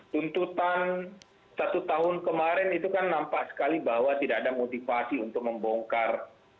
tuntutan satu tahun kemarin itu kan nampak sekali bahwa tidak ada motivasi untuk membongkar